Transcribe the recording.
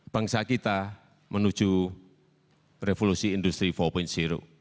bangsa kita menuju revolusi industri empat